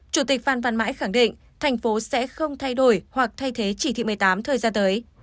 chủ tịch phan văn mãi khẳng định thành phố sẽ không thay đổi hoặc thay thế chỉ thị một mươi tám thời gian tới